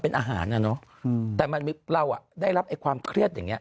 ผมไปกินปลาดีกว่ากับกุ้ง